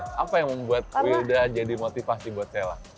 kenapa dia buat wilda jadi motivasi buat sela